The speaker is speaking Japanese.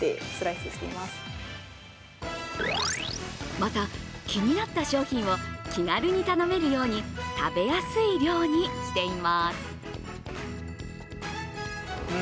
また、気になった商品を気軽に頼めるように、食べやすい量にしています。